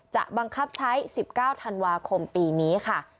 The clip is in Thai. จะบังคับใช้๑๙ธันวาคมปีนี้ค่ะ